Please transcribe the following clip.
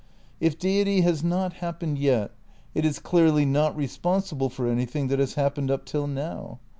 If Deity has not happened yet, it is clearly not responsible for anything that has happened up till now.